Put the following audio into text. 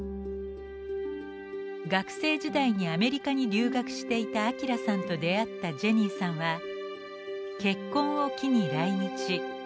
学生時代にアメリカに留学していた明さんと出会ったジェニーさんは結婚を機に来日。